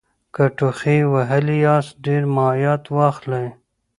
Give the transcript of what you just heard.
که ټوخي وهلي یاست ډېر مایعت واخلئ